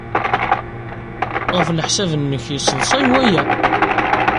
Ɣef leḥsab-nnek, yesseḍsay waya?